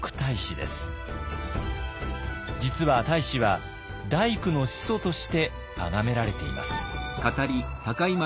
実は太子は大工の始祖としてあがめられています。